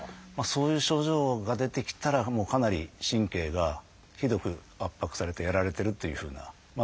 そういう症状が出てきたらもうかなり神経がひどく圧迫されてやられてるっていうふうな。